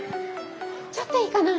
ちょっといいかな。